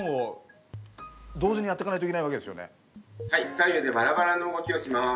左右でバラバラの動きをします。